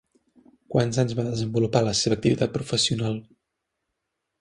Quants anys va desenvolupar la seva activitat professional?